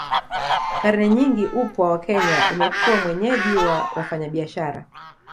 Karne nyingi upwa wa Kenya umekuwa mwenyeji wa wafanyabiashara